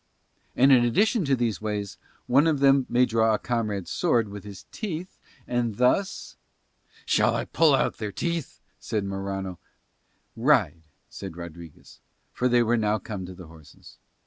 And in addition to these ways, one of them may draw a comrade's sword with his teeth and thus ..." "Shall I pull out their teeth?" said Morano. "Ride," said Rodriguez, for they were now come to the horses.